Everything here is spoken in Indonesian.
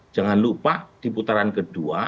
jangan lupa di putaran ke dua